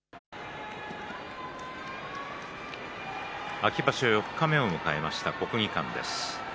秋場所四日目を迎えました国技館です。